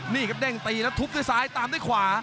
นี่ครับเด้งตีแล้วทุบด้วยซ้ายตามด้วยขวา